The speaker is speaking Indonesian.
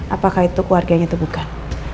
apakah itu keluarganya itu bukan